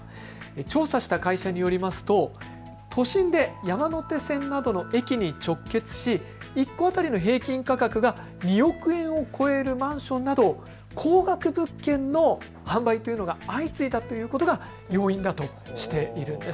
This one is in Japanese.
調査した会社によりますと都心で山手線などの駅に直結し１戸当たりの平均価格が２億円を超えるマンションなど高額物件の販売というのが相次いだということが要因だとしているんです。